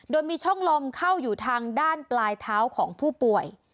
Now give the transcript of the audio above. โดยมีช่องลมเข้าอยู่ทางด้านปลายเท้าของผู้ป่วย